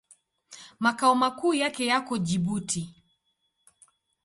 Makao makuu yake yako Jibuti.